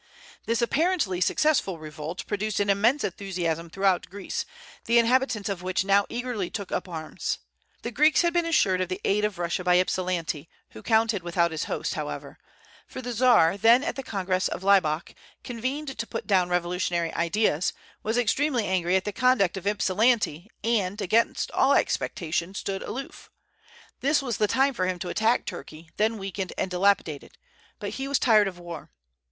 This apparently successful revolt produced an immense enthusiasm throughout Greece, the inhabitants of which now eagerly took up arms. The Greeks had been assured of the aid of Russia by Ypsilanti, who counted without his host, however; for the Czar, then at the Congress of Laibach, convened to put down revolutionary ideas, was extremely angry at the conduct of Ypsilanti, and, against all expectation, stood aloof. This was the time for him to attack Turkey, then weakened and dilapidated; but he was tired of war.